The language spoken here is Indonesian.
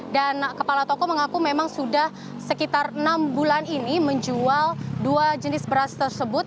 dan kepala toko mengaku memang sudah sekitar enam bulan ini menjual dua jenis beras tersebut